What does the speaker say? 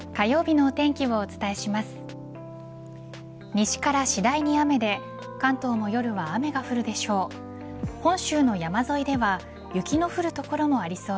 西から次第に雨で関東も夜は雨が降るでしょう。